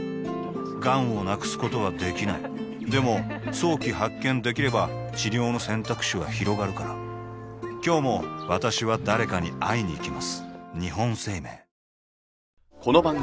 がんを無くすことはできないでも早期発見できれば治療の選択肢はひろがるから今日も私は誰かに会いにいきます